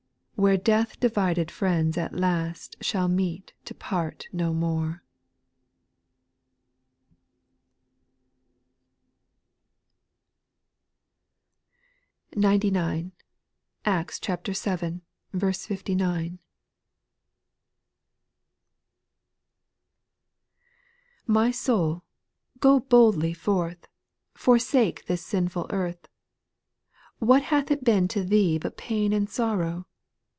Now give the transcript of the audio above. Where death divided friends at last Shall meet to part no more. 99. Acts vii. 59. 1. IITY soul, go boldly forth, ill Forsake this sinful earth ; What hath it been to thee. But pain and sorrow